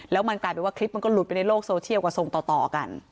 แล้วมันกลายเป็นว่าคลิปมันก็หลุดไปในโลกโซเชียลก็ส่งต่อกัน